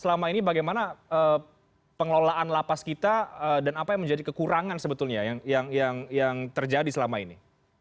selama ini bagaimana pengelolaan lapas kita dan apa yang menjadi kekurangan sebetulnya yang terjadi selama ini